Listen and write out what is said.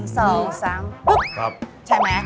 ใช่ไหม